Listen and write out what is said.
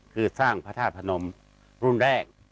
คือสร้างพระธาตุพนมรุ่นแรก